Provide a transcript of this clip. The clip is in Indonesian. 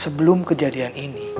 sebelum kejadian ini